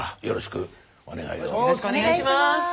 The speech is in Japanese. よろしくお願いします。